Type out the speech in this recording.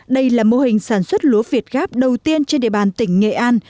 đây là mô hình sản xuất lúa việt gáp đầu tiên trên địa bàn tỉnh nghệ an